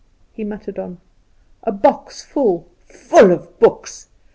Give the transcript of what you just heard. He muttered on "A box full, full of books.